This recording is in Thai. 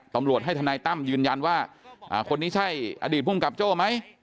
ตำรวจให้ทนายตั้มยืนยันว่าคนนี้ใช่อดีตภูมิกับโจ้ไหม